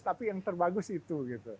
tapi yang terbagus itu